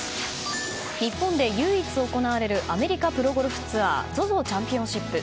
日本で唯一行われるアメリカプロゴルフツアーＺＯＺＯチャンピオンシップ。